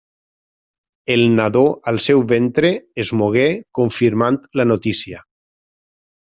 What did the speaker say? El nadó al seu ventre es mogué confirmant la notícia.